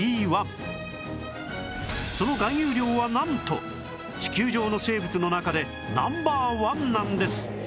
その含有量はなんと地球上の生物の中で Ｎｏ．１ なんです